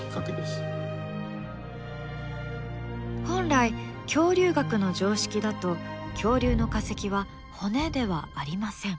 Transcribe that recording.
本来恐竜学の常識だと恐竜の化石は骨ではありません。